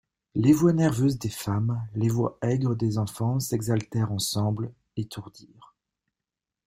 Les voix nerveuses des femmes, les voix aigres des enfants s'exaltèrent ensemble, étourdirent.